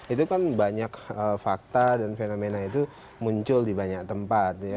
itu kan banyak fakta dan fenomena itu muncul di banyak tempat